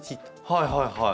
はいはいはい。